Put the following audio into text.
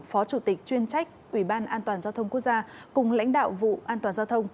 phó chủ tịch chuyên trách ủy ban an toàn giao thông quốc gia cùng lãnh đạo vụ an toàn giao thông